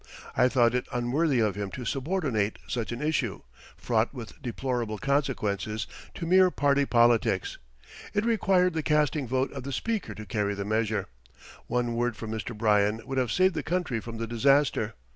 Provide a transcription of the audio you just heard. I thought it unworthy of him to subordinate such an issue, fraught with deplorable consequences, to mere party politics. It required the casting vote of the Speaker to carry the measure. One word from Mr. Bryan would have saved the country from the disaster.